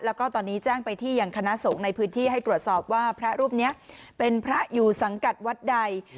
แล้วก็ตอนนี้แจ้งไปที่อย่างคณะสงฆ์ในพื้นที่ให้ตรวจสอบว่าพระรูปนี้เป็นพระอยู่สังกัดวัดใด